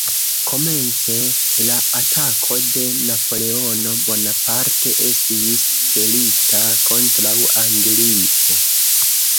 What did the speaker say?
Komence la atako de Napoleono Bonaparte estis celita kontraŭ Anglio.